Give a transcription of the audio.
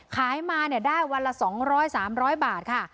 ขายมาได้วันละ๒๐๐๓๐๐บาทค่ะ